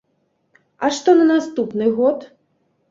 А што на наступны год?